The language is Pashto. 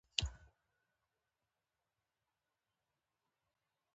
زه د تاریخي متونو مطالعه خوښوم.